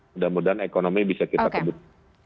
mudah mudahan ekonomi bisa kita kebut